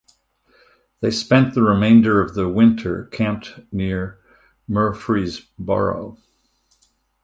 They spent the remainder of the Winter camped near Murfreesboro.